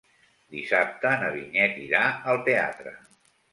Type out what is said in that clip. Dissabte na Vinyet irà al teatre.